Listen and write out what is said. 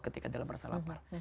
ketika dalam rasa lapar